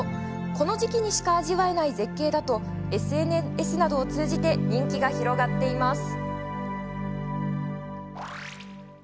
この時期にしか味わえない絶景だと、ＳＮＳなどを通じて人気が広がっています。